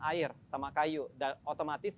air sama kayu dan otomatis